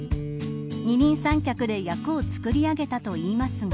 二人三脚で役をつくり上げたといいますが。